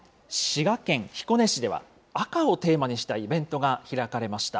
滋賀県彦根市では、赤をテーマにしたイベントが開かれました。